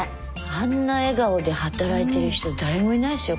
あんな笑顔で働いてる人誰もいないっすよ